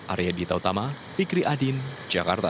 arya dita utama fikri adin jakarta